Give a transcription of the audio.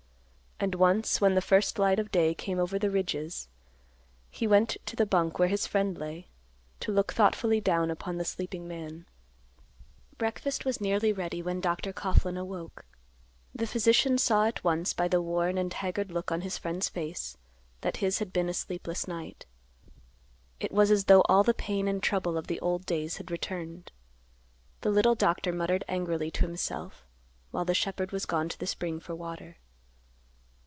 And once, when the first light of day came over the ridges, he went to the bunk where his friend lay, to look thoughtfully down upon the sleeping man. Breakfast was nearly ready when Dr. Coughlan awoke. The physician saw at once by the worn and haggard look on his friend's face that his had been a sleepless night. It was as though all the pain and trouble of the old days had returned. The little doctor muttered angrily to himself while the shepherd was gone to the spring for water.